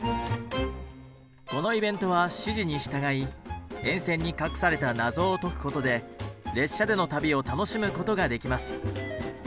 このイベントは指示に従い沿線に隠された謎を解くことで列車での旅を楽しむことができます。